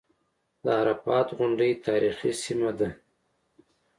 د عرفات غونډۍ تاریخي سیمه ده.